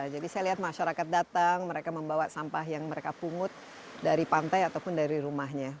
jadi saya lihat masyarakat datang mereka membawa sampah yang mereka pungut dari pantai ataupun dari rumahnya